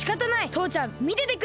とうちゃんみててくれ！